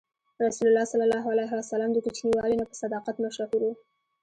رسول الله ﷺ د کوچنیوالي نه په صداقت مشهور و.